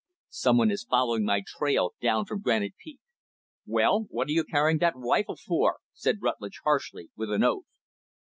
"Some one is following my trail down from Granite Peak." "Well, what are you carrying that rifle for?" said Rutlidge, harshly, with an oath.